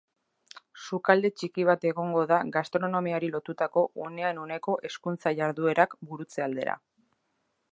Sukalde txiki bat egongo da gastronomiari lotutako unean uneko hezkuntza-jarduerak burutze aldera.